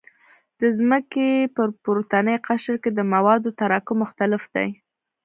د ځمکې په پورتني قشر کې د موادو تراکم مختلف دی